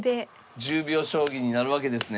１０秒将棋になるわけですね。